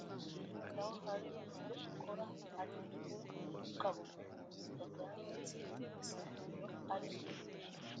yiyitaho hari n’ibyo akora ari mukuru ukabona bitajyanye n’ikigero arimo